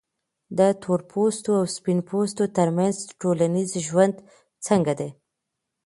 د تورپوستو او سپین پوستو ترمنځ ټولنیز ژوند څنګه دی؟